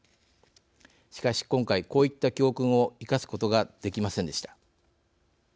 しかし今回こういった教訓を生かすことができませんでした。